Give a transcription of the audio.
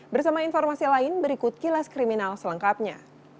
bersama informasi lain berikut kilas kriminal selengkapnya